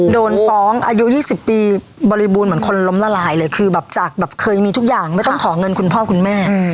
โดนฟ้องอายุ๒๐ปีบริบูรณ์เหมือนคนล้มละลายเลยคือแบบจากแบบเคยมีทุกอย่างไม่ต้องขอเงินคุณพ่อคุณแม่